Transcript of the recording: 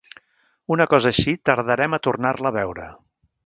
Una cosa així, tardarem a tornar-la a veure.